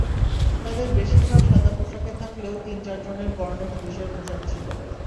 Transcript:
তাঁদের বেশির ভাগ সাদা পোশাকে থাকলেও তিন-চারজনের পরনে পুলিশের পোশাক ছিল।